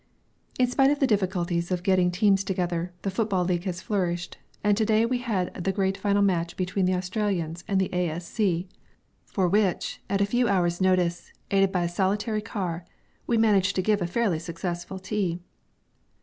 _ In spite of the difficulties of getting teams together, the football league has flourished, and to day we had the great final match between Australians and the A.S.C., for which, at a few hours' notice, aided by a solitary car, we managed to give a fairly successful tea.